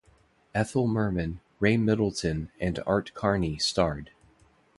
Ethel Merman, Ray Middleton, and Art Carney starred.